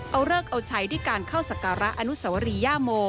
เอาเลิกเอาใช้ด้วยการเข้าสการะอนุสวรีย่าโม